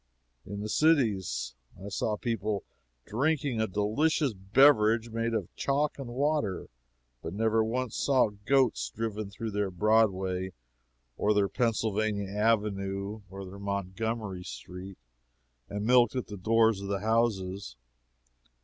"In the cities I saw people drinking a delicious beverage made of chalk and water, but never once saw goats driven through their Broadway or their Pennsylvania Avenue or their Montgomery street and milked at the doors of the houses.